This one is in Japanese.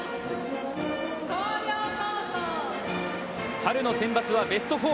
春のセンバツはベスト４。